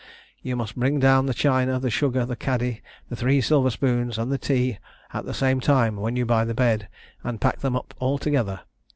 You must bring down the china, the sugar, the caddy, the three silver spoons, and the tea at the same time when you buy the bed, and pack them up altogether.